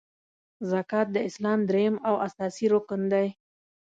زکات د اسلام دریم او اساسې رکن دی .